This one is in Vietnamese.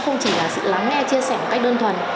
không chỉ là sự lắng nghe chia sẻ một cách đơn thuần